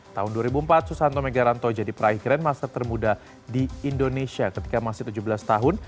tahun dua ribu empat susanto megaranto jadi peraih grandmaster termuda di indonesia ketika masih tujuh belas tahun